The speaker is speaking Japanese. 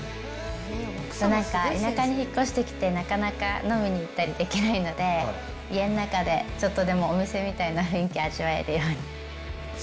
なんか田舎に引っ越してきて、なかなか飲みに行ったりできないので、家の中でちょっとでもお店みたいな雰囲気味わえるように。